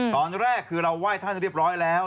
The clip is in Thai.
ตอนแรกคือเราไหว้ท่านเรียบร้อยแล้ว